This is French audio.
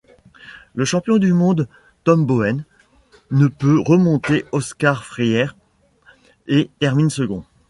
Le champion du monde, Tom Boonen, ne peut remonter Oscar Freire et termine second.